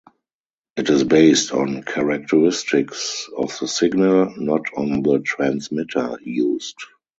It is based on characteristics of the signal, not on the transmitter used.